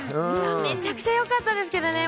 めちゃくちゃ良かったですけどね。